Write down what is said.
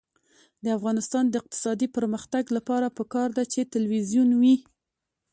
د افغانستان د اقتصادي پرمختګ لپاره پکار ده چې تلویزیون وي.